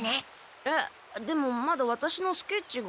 えっでもまだワタシのスケッチが。